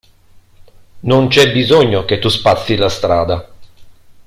Non c'è bisogno che tu spazzi la strada.